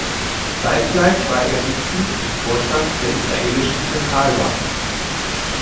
Zeitgleich war er Mitglied im Vorstand der Israelischen Zentralbank.